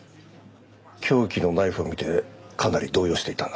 凶器のナイフを見てかなり動揺していた。